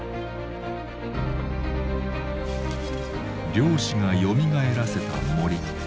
漁師がよみがえらせた森。